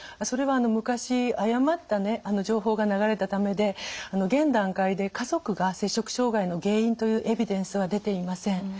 それは昔誤った情報が流れたためで現段階で家族が摂食障害の原因というエビデンスは出ていません。